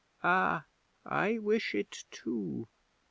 '"Ah, I wish it too!